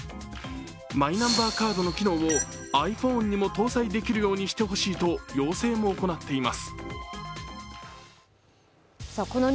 マイナンバーカードの機能をｉＰｈｏｎｅにも搭載できるようにしてほしいと要請も行っています。